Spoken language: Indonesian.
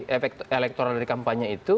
efek elektoral dari kampanye itu